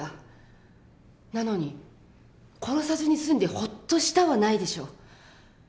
なのに「殺さずに済んでホッとした」はないでしょう。